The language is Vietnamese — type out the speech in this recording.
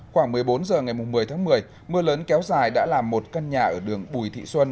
khoảng một mươi bốn h ngày một mươi tháng một mươi mưa lớn kéo dài đã làm một căn nhà ở đường bùi thị xuân